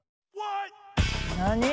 何？